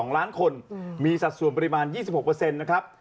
๑๒ล้านคนมีสัดส่วนปริมาณ๒๖เปอร์เซ็นต์นะครับ